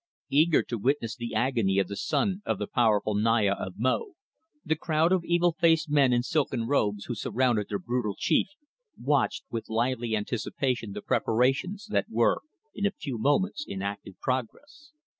EAGER to witness the agony of the son of the powerful Naya of Mo, the crowd of evil faced men in silken robes who surrounded their brutal chief watched with lively anticipation the preparations that were in a few moments in active progress.